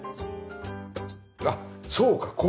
あっそうか